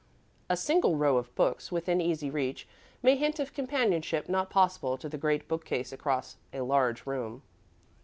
A single row of books, within easy reach, may hint of companionship not possible to the great bookcase across a large room.